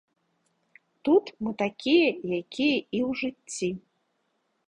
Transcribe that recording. Тут мы такія, якія і ў жыцці.